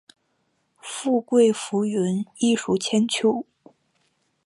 富贵浮云，艺术千秋